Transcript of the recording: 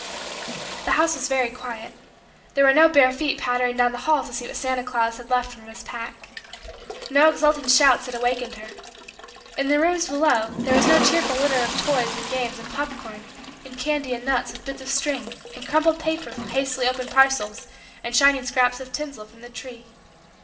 The house was very quiet. There were no bare feet pattering down the hall to see what Santa Claus had left from his pack. No exulting shouts had awakened her. In the rooms below, there was no cheerful litter of toys and games and pop corn and candy and nuts with bits of string and crumpled paper from hastily opened parcels and shining scraps of tinsel from the tree.